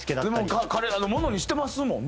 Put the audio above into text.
でも彼らのものにしてますもんね。